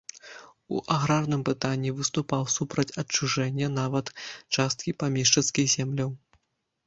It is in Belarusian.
У аграрным пытанні выступаў супраць адчужэння нават часткі памешчыцкіх земляў.